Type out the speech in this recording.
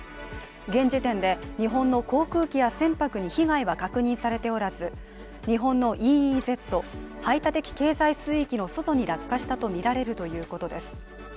現時点で日本の航空機や船舶に被害は確認されておらず日本のＥＥＺ＝排他的経済水域の外に落下したとみられるということです。